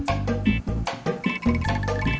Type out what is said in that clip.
aku udah makan